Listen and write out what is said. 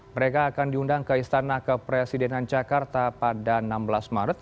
mereka akan diundang ke istana kepresidenan jakarta pada enam belas maret